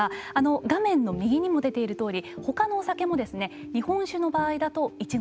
画面の右にも出ているとおりほかのお酒も日本酒の場合だと１合。